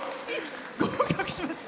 合格しました。